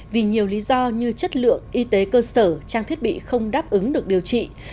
vì nhiều lý do như chất lượng y tế cơ sở trang thiết bị không đáp ứng được điều trị